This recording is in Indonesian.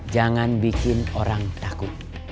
jangan bikin orang takut